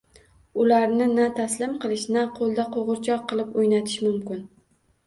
Ularni na taslim qilish, na qo`lda qo`g`irchoq qilib o`ynatish mumkin